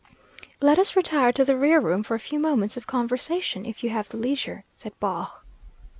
"Let us retire to the rear room for a few moments of conversation, if you have the leisure," said Baugh.